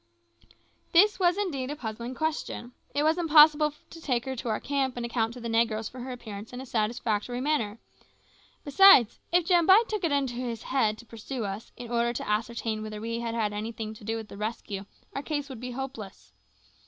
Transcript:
This was indeed a puzzling question. It was impossible to take her to our camp and account to the negroes for her appearance in a satisfactory manner; besides, if Jambai took it into his head to pursue us, in order to ascertain whether we had had anything to do with the rescue, our case would be hopeless.